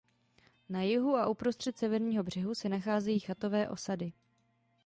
Na jihu a uprostřed severního břehu se nacházejí chatové osady.